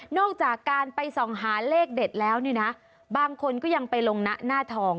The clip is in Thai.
จากการไปส่องหาเลขเด็ดแล้วเนี่ยนะบางคนก็ยังไปลงนะหน้าทอง